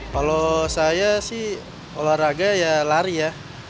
kalau saya sih olahraga ya lari ya